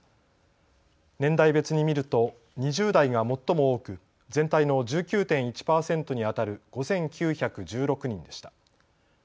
年代別に見ると２０代が最も多く全体の１９．１％にあたる５９１６人でした。